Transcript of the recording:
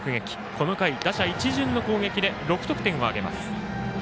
この回、打者一巡の攻撃で６得点を挙げます。